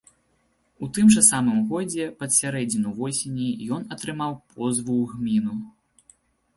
У тым жа самым годзе, пад сярэдзіну восені, ён атрымаў позву ў гміну.